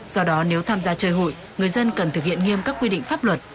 do đó nếu tham gia chơi hụi người dân cần thực hiện nghiêm các quy định pháp luật